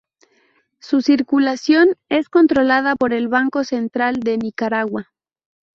Su circulación es controlada por el Banco Central de Nicaragua.